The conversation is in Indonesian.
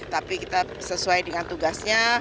tapi kita sesuai dengan tugasnya